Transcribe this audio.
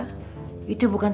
itu bukan takdir kamu